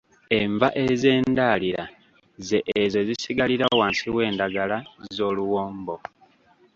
Enva ez'endalira ze ezo ezisigalira wansi w'endagala z'oluwombo.